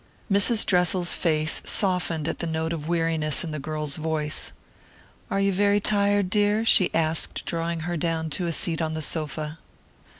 Mrs. Dressel's face softened at the note of weariness in the girl's voice. "Are you very tired, dear?" she asked drawing her down to a seat on the sofa.